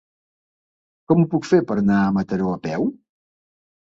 Com ho puc fer per anar a Mataró a peu?